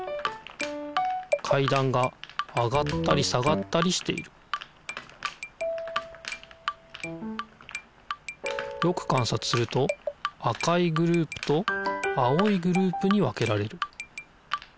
かいだんが上がったり下がったりしているよくかんさつすると赤いグループと青いグループに分けられる。